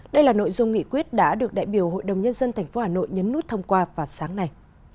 đây là nội dung nghị quyết đã được đại biểu hội đồng nhân dân tp hà nội nhấn nút thông qua vào sáng nay